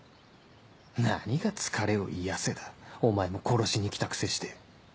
何が「疲れを癒やせ」だお前も殺しに来たくせして